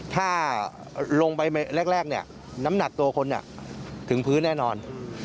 ถ้าลงไปแรกเนี่ยน้ำหนักตัวคนถึงพื้นแน่นอน